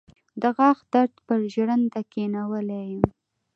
د غاښ درد پر ژرنده کېنولی يم.